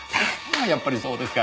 あやっぱりそうですか。